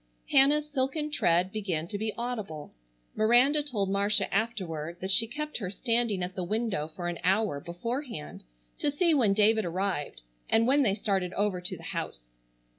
Hannah's silken tread began to be audible. Miranda told Marcia afterward that she kept her standing at the window for an hour beforehand to see when David arrived, and when they started over to the house.